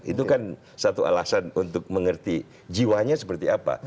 itu kan satu alasan untuk mengerti jiwanya seperti apa